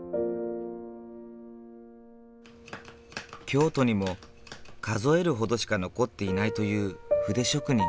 京都にも数えるほどしか残っていないという筆職人。